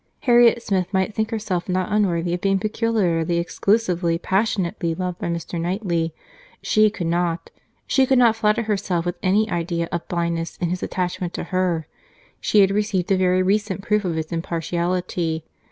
Harriet Smith might think herself not unworthy of being peculiarly, exclusively, passionately loved by Mr. Knightley. She could not. She could not flatter herself with any idea of blindness in his attachment to her. She had received a very recent proof of its impartiality.